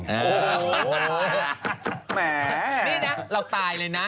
แหมนี่นะเราตายเลยนะ